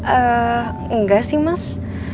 ehm enggak sih mas